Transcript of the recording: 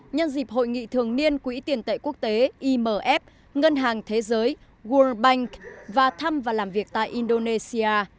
nhân dịp hội nghị thường niên quỹ tiền tệ quốc tế imf ngân hàng thế giới world bank và thăm và làm việc tại indonesia